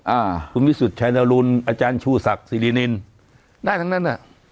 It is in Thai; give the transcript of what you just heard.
อ่าคุณวิสุทธิ์ชายนรุนอาจารย์ชูศักดิ์สิรินินได้ทั้งนั้นอ่ะ